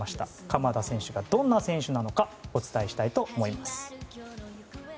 鎌田選手がどんな選手なのかお伝えしたいと思います。